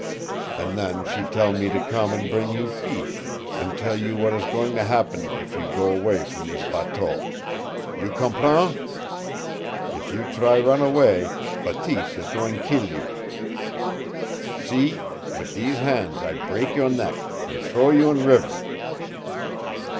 An' then she tell me to come an' bring you feesh, an' tell you w'at is goin' happen if you try go away from thees bateau. You COMPREN'? If you try run away, Bateese ees goin' keel you! See wit' thees han's I br'ak your neck an' t'row you in river.